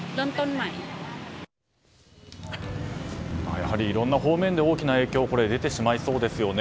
やはりいろんな方面で大きな影響が出てしまいそうですよね。